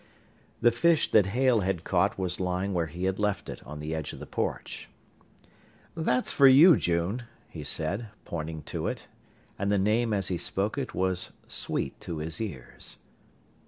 The fish that Hale had caught was lying where he had left it on the edge of the porch. "That's for you, June," he said, pointing to it, and the name as he spoke it was sweet to his ears.